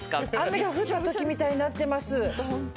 雨が降ったときみたいになってます。